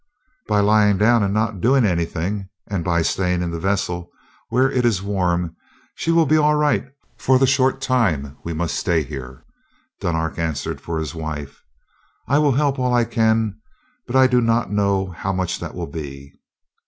"By lying down and not doing anything, and by staying in the vessel, where it is warm, she will be all right for the short time we must stay here," Dunark answered for his wife. "I will help all I can, but I do not know how much that will be."